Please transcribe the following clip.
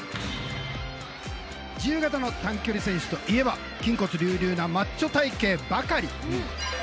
自由形の短距離選手といえば筋骨隆々なマッチョ体形ばかり。